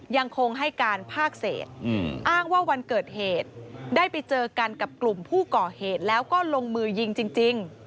ยังคงให้การภาคเศษอ้างว่าวันเกิดเหตุได้ไปเจอกันกับกลุ่มผู้ก่อเหตุแล้วก็ลงมือยิงจริง